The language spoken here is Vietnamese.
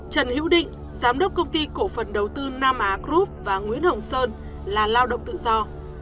trần hữu định giám đốc công ty cổ phần đầu tư nam á group và nguyễn hồng sơn là lao động tự do